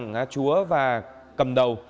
giàng chúa và cầm đầu